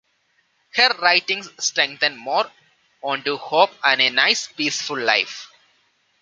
Her writings strengthen more onto hope and a nice peaceful life.